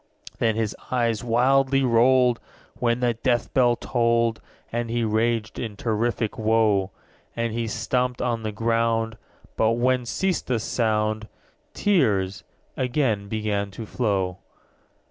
_25 5. Then his eyes wildly rolled, When the death bell tolled, And he raged in terrific woe. And he stamped on the ground, But when ceased the sound, _30 Tears again began to flow.